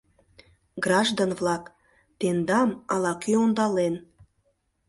— Граждан-влак, тендам ала-кӧ ондален!